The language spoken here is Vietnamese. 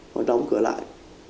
họ đóng cửa lại